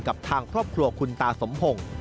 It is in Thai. กับทางครอบครัวคุณตาสมพงศ์